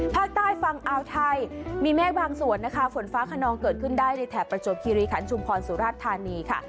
ภาคใต้ฝั่งอาวไทยมีเมฆบางส่วนนะคะฝนฟ้าขนองเกิดขึ้นได้ในแถบประจวบคิริขันชุมพรสุราชธานีค่ะ